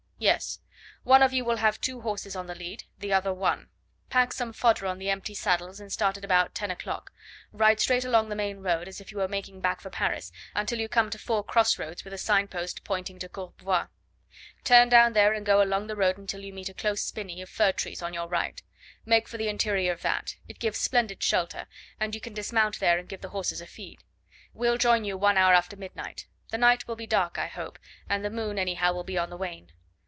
"Yes. One of you will have two horses on the lead, the other one. Pack some fodder on the empty saddles and start at about ten o'clock. Ride straight along the main road, as if you were making back for Paris, until you come to four cross roads with a sign post pointing to Courbevoie. Turn down there and go along the road until you meet a close spinney of fir trees on your right. Make for the interior of that. It gives splendid shelter, and you can dismount there and give the horses a feed. We'll join you one hour after midnight. The night will be dark, I hope, and the moon anyhow will be on the wane."